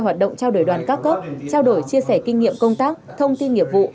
hoạt động trao đổi đoàn các cấp trao đổi chia sẻ kinh nghiệm công tác thông tin nghiệp vụ